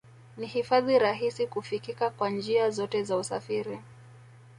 Ni hifadhi rahisi kufikika kwa njia zote za usafiri